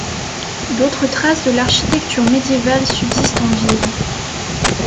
D'autres traces de l'architecture médiévale subsistent en ville.